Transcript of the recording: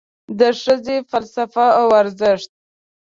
د ښځې فلسفه او ارزښت